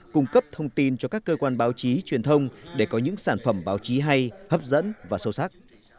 cung cấp thông tin cho các cơ quan báo chí truyền thông để có những sản phẩm báo chí hay hấp dẫn và sâu sắc